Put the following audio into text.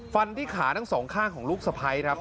ฟันที่ขาทั้งสองข้างของลูกสะพ้ายครับ